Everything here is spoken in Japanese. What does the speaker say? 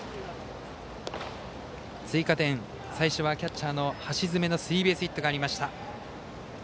追加点、最初はキャッチャーの橋爪のスリーベースヒットがありました。